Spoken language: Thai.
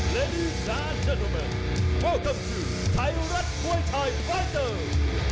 ม้วยช่อยฟ้อตเตอร์